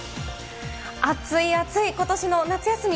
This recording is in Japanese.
暑い暑いことしの夏休み。